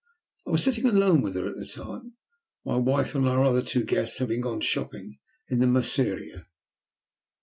I was sitting alone with her at the time, my wife and our other two guests having gone shopping in the Merceria.